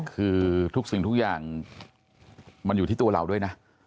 คือทุกสิ่งทุกอย่างมันอยู่ที่ตัวเราด้วยนะ